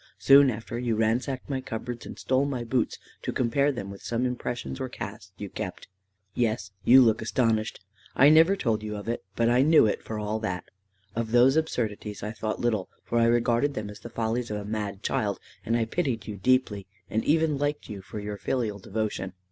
Soon after you ransacked my cupboards and stole my boots, to compare them with some impressions or casts you kept. Yes, you look astonished. I never told you of it, but I knew it for all that. Of those absurdities I thought little, for I regarded them as the follies of a mad child, and I pitied you deeply, and even liked you for your filial devotion.